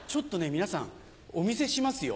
皆さんお見せしますよ。